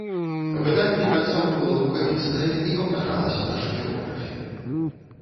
Выданне таксама было рукапіснае і памнажалася на шапірографе.